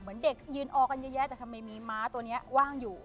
เหมือนเด็กยืนออกันเยอะแยะแต่ทำไมมีม้าตัวนี้ว่างอยู่